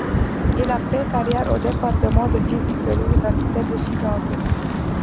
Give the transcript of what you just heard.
Il a fait carrière au département de physique de l'université de Chicago.